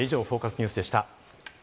ニュースでした。